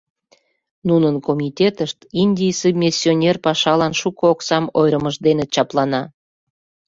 Нунын комитетышт Индийысе миссионер пашалан шуко оксам ойырымыж дене чаплана.